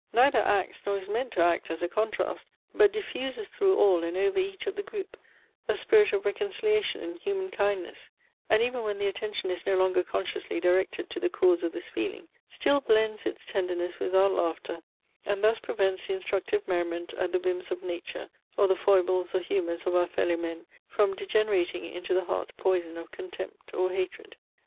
neither acts, nor is meant to act as a contrast; but diffuses through all, and over each of the group, a spirit of reconciliation and human kindness; and, even when the attention is no longer consciously directed to the cause of this feeling, still blends its tenderness with our laughter: and thus prevents the instructive merriment at the whims of nature or the foibles or humours of our fellow men from degenerating into the heart poison of contempt or hatred.